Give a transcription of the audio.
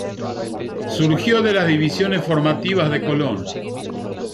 Surgió de las divisiones formativas de Colón.